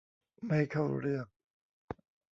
ไม่เข้าเรื่อง